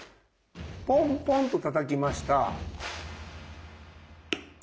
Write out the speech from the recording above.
ポンポンとたたきました。